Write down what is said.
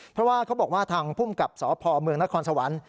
เพราะว่าเขาบอกว่าทางภูมิกับสพเมืองนครสวรรค์